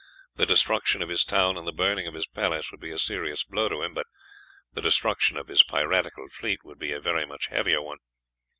The destruction of his town and the burning of his palace would be a serious blow to him, but the destruction of his piratical fleet would be a very much heavier one.